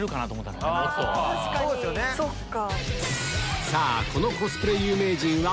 そっか。